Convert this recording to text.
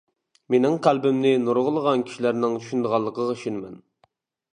مېنىڭ قەلبىمنى نۇرغۇنلىغان كىشىلەرنىڭ چۈشىنىدىغانلىقىغا ئىشىنىمەن.